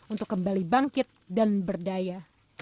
untuk kembali bangkit dan berdaya